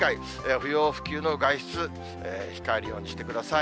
不要不急の外出、控えるようにしてください。